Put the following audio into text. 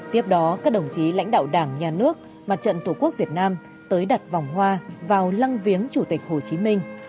tiếp đó các đồng chí lãnh đạo đảng nhà nước mặt trận tổ quốc việt nam tới đặt vòng hoa vào lăng viếng chủ tịch hồ chí minh